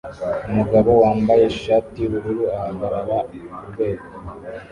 Umugabo wambaye ishati yubururu ahagarara kurwego